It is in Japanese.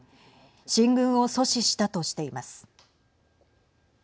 進軍を阻止したとしています。